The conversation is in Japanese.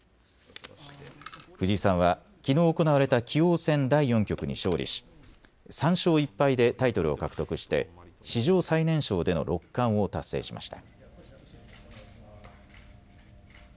藤井さんはきのう行われた棋王戦第４局に勝利し３勝１敗でタイトルを獲得して史上最年少での六冠を達成しました。